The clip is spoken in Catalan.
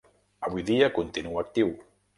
Avui dia continua actiu.